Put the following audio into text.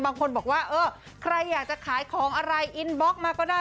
บางคนบอกว่าเออใครอยากจะขายของอะไรอินบล็อกมาก็ได้